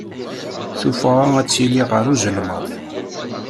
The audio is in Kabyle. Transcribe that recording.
Tuffɣa ad tili ɣer uzelmaḍ.